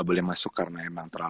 berbeda karena di nyebelin